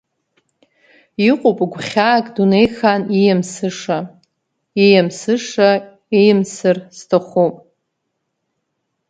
Иҟоуп гәхьаак дунеихаан ииамсыша, ииамсыша ыиамсыр сҭахуп.